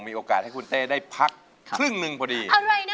มีโอกาสให้คุณเต้ได้พักครึ่งหนึ่งพอดี